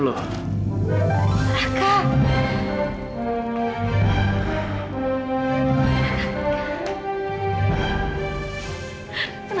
bukan urusan lu